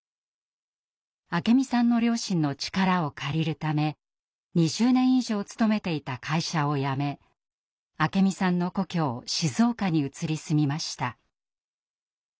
明美さんの両親の力を借りるため２０年以上勤めていた会社を辞め明美さんの故郷静岡に移り住みました。